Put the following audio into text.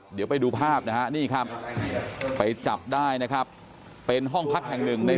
เดี๋ยวไปดูภาพนะฮะนี่ครับไปจับได้นะครับเป็นห้องพักแห่งหนึ่งใน